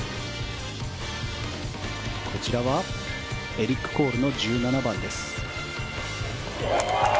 こちらはエリック・コールの１７番です。